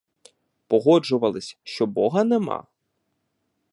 Погоджувались, що бога нема?